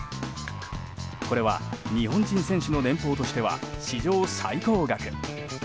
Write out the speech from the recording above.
これは日本人選手の年俸としては史上最高額。